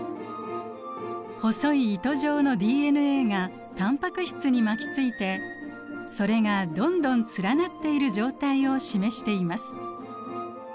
細い糸状のＤＮＡがタンパク質に巻きついてそれがどんどん連なっている状態を示しています。